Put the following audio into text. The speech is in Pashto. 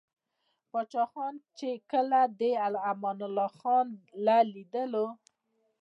پاچاخان ،چې کله دې امان الله خان له ليدلو o